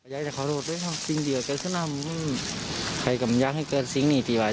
อยากจะขอโทษด้วยครับสิ่งเดียวเกิดขึ้นอ่ะมันใครกำลังให้เกิดสิ่งนี้ดีกว่า